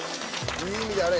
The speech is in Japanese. いい意味であれ。